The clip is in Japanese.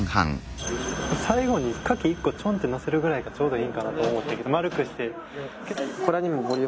最後に牡蠣１個ちょんってのせるぐらいがちょうどいいんかなと思ったけど丸くして。